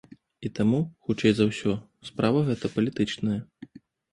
І таму, хутчэй за ўсё, справа гэта палітычная.